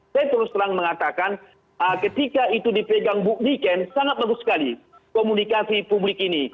saya terus terang mengatakan ketika itu dipegang buk niken sangat bagus sekali komunikasi publik ini